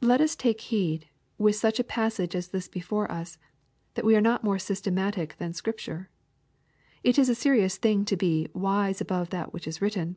Let us take heed, with such a passage as this before us, that we are not more systematic than Scripture. It is a serious thing to be " wise above that which is writ ten."